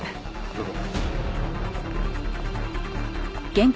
どうぞ。